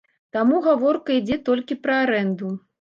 Таму гаворка ідзе толькі пра арэнду.